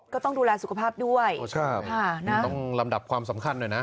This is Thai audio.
ก็ต้องดูแลสุขภาพด้วยโอ้โชค่ะต้องลำดับความสำคัญด้วยนะ